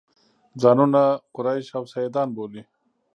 ځانونه قریش او سیدان بولي.